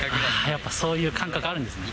やっぱそういう感覚あるんですね。